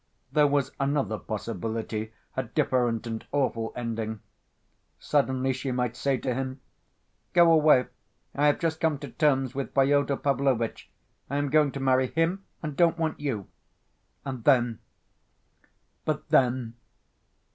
There was another possibility, a different and awful ending. Suddenly she might say to him: "Go away. I have just come to terms with Fyodor Pavlovitch. I am going to marry him and don't want you"—and then ... but then....